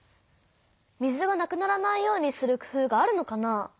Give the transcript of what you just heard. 水がなくならないようにするくふうがあるのかな？